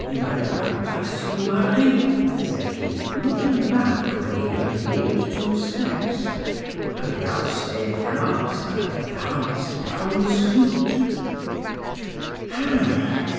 —Et Madame a son Mari?—said he, looking back when he had made two steps,—and, without staying for an answer—danced down the street.